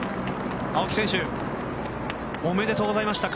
青木選手おめでとうございました。